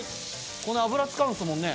この脂使うんですもんね。